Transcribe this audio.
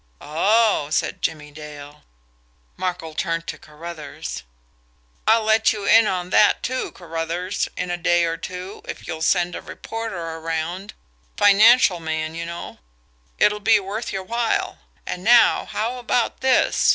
"Oh!" said Jimmie Dale. Markel turned to Carruthers. "I'll let you in on that, too, Carruthers, in a day or two, if you'll send a reporter around financial man, you know. It'll be worth your while. And now, how about this?